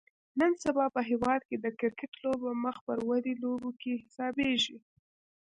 نن سبا په هیواد کې د کرکټ لوبه مخ پر ودې لوبو کې حسابیږي